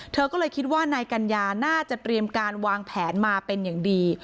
เธอก็เลยคิดว่านายกัญญาน่าจะเตรียมการวางแผนมาเป็นอย่างดี